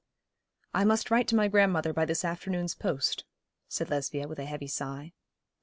'I must write to my grandmother by this afternoon's post,' said Lesbia, with a heavy sigh.